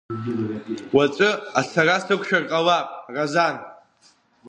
Уаҵәы ацара сықәшәар ҟалап, Разан…